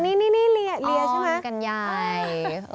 ตรงนี้เรียใช่ไหมอ๋อกันใหญ่